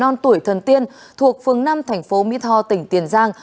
trường mầm non tùy thần tiên thuộc phương năm thành phố my tho tỉnh tiền giang